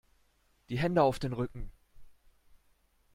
Die Hände auf den Rücken!